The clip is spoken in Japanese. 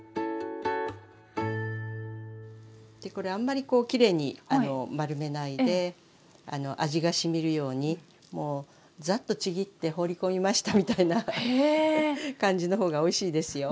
これあんまりこうきれいに丸めないであの味がしみるようにもうざっとちぎって放り込みましたみたいな感じの方がおいしいですよ。